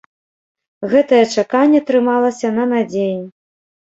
Гэтае чаканне трымалася на надзеі.